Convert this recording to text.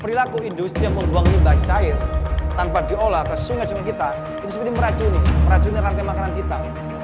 perilaku industri yang membuang limbah cair tanpa diolah ke sungai sungai kita itu seperti meracuni meracuni rantai makanan kita